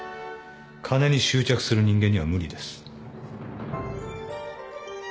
金に執着する人間には無理です。